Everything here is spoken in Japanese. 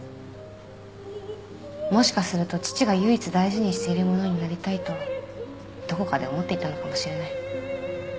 もしかすると父が唯一大事にしている物になりたいとどこかで思っていたのかもしれない。